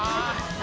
あ！